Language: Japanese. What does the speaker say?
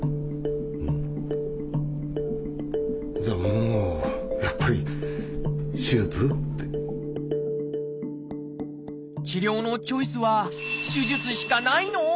じゃあもう治療のチョイスは手術しかないの？